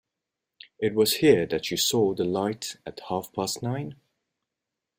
It was here that you saw the light at half-past nine?